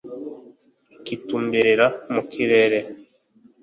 ukitumberera mukirere